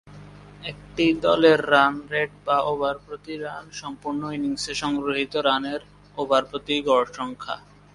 একটি দলের run rate বা ওভার প্রতি রান সম্পূর্ণ ইনিংসে সংগৃহীত রানের ওভার প্রতি গড় সংখ্যা।